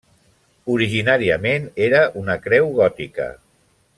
Originàriament era una creu gòtica.